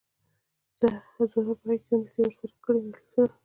زهره په غیږ کې نیسي ورسره کړي مجلسونه